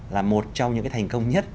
là một trong những thành công nhất